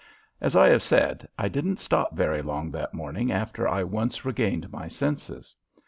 As I have said, I didn't stop very long that morning after I once regained my senses.